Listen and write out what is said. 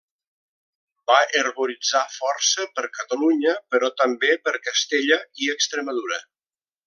Va herboritzar força per Catalunya, però també per Castella i Extremadura.